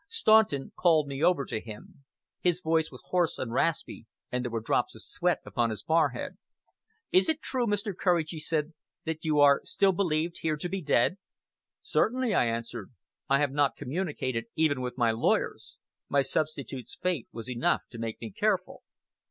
Staunton called me over to him. His voice was hoarse and raspy, and there were drops of sweat upon his forehead. "Is it true, Mr. Courage," he said, "that you are still believed here to be dead?" "Certainly!" I answered. "I have not communicated even with my lawyers. My substitute's fate was enough to make me careful!"